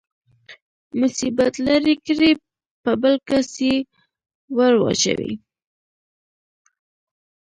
مصیبت لرې کړي په بل کس يې ورواچوي.